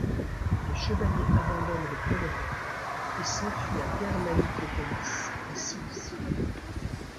Les chevaliers abandonnent les pèlerins et s'enfuient à Germanicopolis en Cilicie.